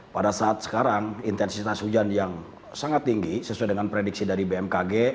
pada saat sekarang intensitas hujan yang sangat tinggi sesuai dengan prediksi dari bmkg